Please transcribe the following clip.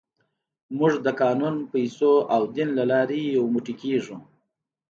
موږ د قانون، پیسو او دین له لارې یو موټی کېږو.